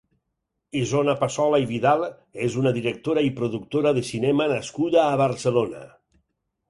Isona Passola i Vidal és una directora i productora de cinema nascuda a Barcelona.